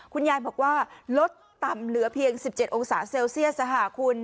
คุณยายบอกว่าลดต่ำเหลือเพียงสิบเจ็ดองศาเซลเซลเซียสคุณ